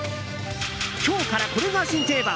今日からこれが新定番。